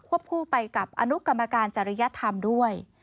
คู่ไปกับอนุกรรมการจริยธรรมด้วย